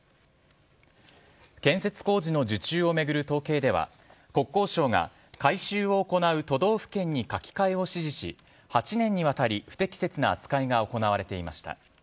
建設工事の受注を巡る統計では国交省が回収を行う都道府県に書き換えを指示し８年にわたり不適切な扱いが行われていました。